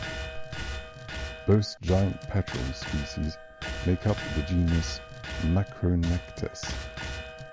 Both giant petrel species make up the genus "Macronectes".